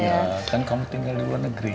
iya dan kamu tinggal di luar negeri